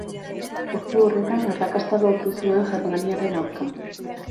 Postu horretan arrakasta lortu zuen germaniarren aurka.